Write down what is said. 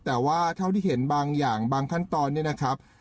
แต่ว่าเท่าที่เห็นบางอย่างบางขั้นตอนเนี่ยนะครับ